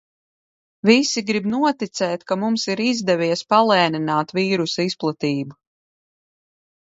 Visi grib noticēt, ka mums ir izdevies palēnināt vīrusa izplatību.